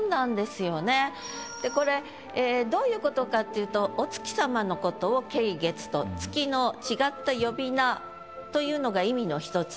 これどういうことかっていうとお月さまのことを「桂月」と。というのが意味の１つ。